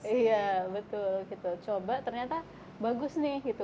iya betul gitu coba ternyata bagus nih gitu